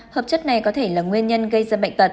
hợp chất này có thể là nguyên nhân gây ra bệnh tật